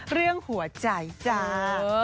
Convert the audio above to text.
เรื่องหัวใจจ้า